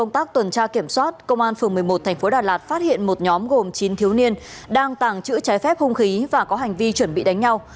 tại thành phố đà lạt phát hiện một nhóm gồm chín thiếu niên đang tàng trữ trái phép hung khí và có hành vi chuẩn bị đánh nhau